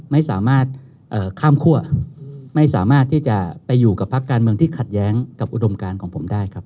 ไม่สามารถข้ามคั่วไม่สามารถที่จะไปอยู่กับพักการเมืองที่ขัดแย้งกับอุดมการของผมได้ครับ